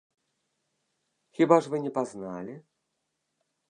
Хіба ж вы не пазналі?